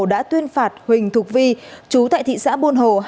đã tuyên phạt huỳnh thục vi chú tại thị xã bồn hồ